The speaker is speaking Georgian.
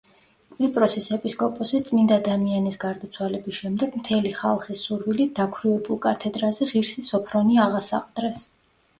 კვიპროსის ეპისკოპოსის, წმინდა დამიანეს გარდაცვალების შემდეგ მთელი ხალხის სურვილით დაქვრივებულ კათედრაზე ღირსი სოფრონი აღასაყდრეს.